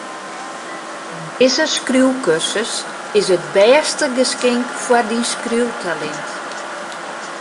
Dizze skriuwkursus is it bêste geskink foar dyn skriuwtalint.